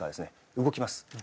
動きます。